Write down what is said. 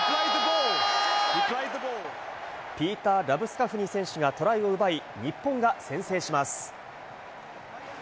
ピーター・ラブスカフニ選手がトライを奪い、日本が先制します。